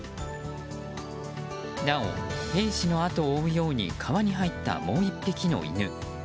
なお、兵士の後を追うように川に入ったもう１匹の犬。